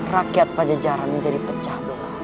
rakyat pada jalan menjadi pecah